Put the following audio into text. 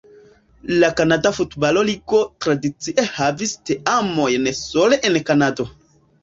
La Kanada Futbalo-Ligo tradicie havis teamojn sole en Kanado.